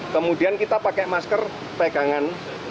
kemudian kita pakai masker pegangan